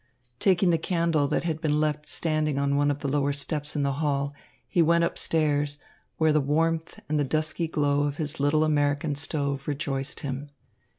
Taking the candle that had been left standing on one of the lower steps in the hall, he went up stairs, where the warmth and the dusky glow of his little American stove rejoiced him.